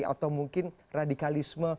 atau mungkin radikalisme